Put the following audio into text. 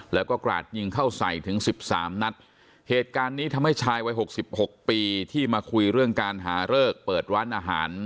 แล้วก็กราดยิงเข้าใส่ถึงสิบสามนัดเหตุการณ์นี้ทำให้ชายวัยหกสิบหกปีที่มาคุยเรื่องการหาเลิกเปิดร้านอาหาร